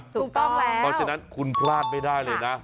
ถูกต้องแล้วเพราะฉะนั้นคุณพลาดไม่ได้เลยนะ